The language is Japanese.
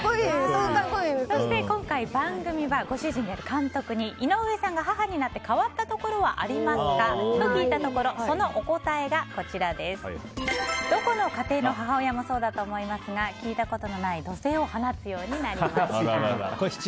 今回、番組はご主人が監督に井上さんが母になって変わったところはありますかと聞いたところそのお答えがどこの家庭の母親もそうだと思いますが聞いたことのない怒声を放つようになりました。